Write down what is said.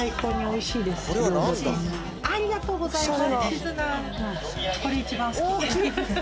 ありがとうございます。